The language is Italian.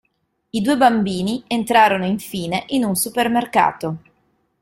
I due bambini entrano infine in un supermercato.